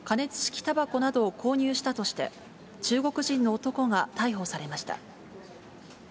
たばこなどを購入したとして、中国人の男が逮捕されました。